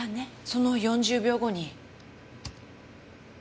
その４０秒後に。